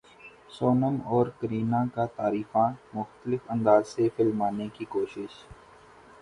سونم اور کرینہ کا تعریفاں مختلف انداز سے فلمانے کی کوشش